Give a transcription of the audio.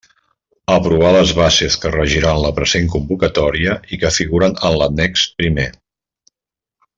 Aprovar les bases que regiran la present convocatòria i que figuren en l'annex primer.